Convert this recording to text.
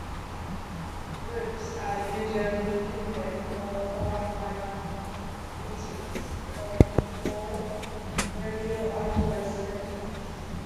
Groups are usually either four or five digits or radio-alphabet letters.